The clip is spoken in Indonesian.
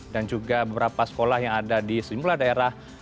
dan juga beberapa sekolah yang ada di sejumlah daerah